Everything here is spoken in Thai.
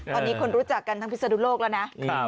ตอนนี้คนรู้จักกันทั้งพิศนุโลกแล้วนะ